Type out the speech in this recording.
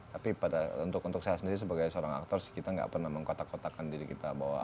tapi untuk saya sendiri sebagai seorang aktor sih kita nggak pernah mengkotak kotakan diri kita bahwa